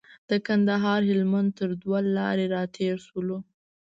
د کندهار هلمند تر دوه لارې راتېر شولو.